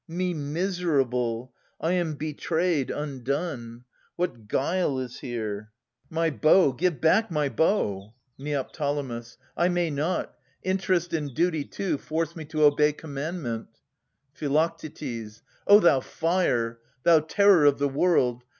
Me miserable ! I am betrayed, undone ! 300 Philodetes [924 950 What guile is here ? My bow ! give back my bow ! Neo. I may not. Interest, and duty too, Force me to obey commandment. Phi. O thou fire. Thou terror of the world